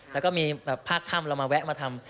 แล้วก็มีแบบภาคค่ำเรามาแวะมาทำ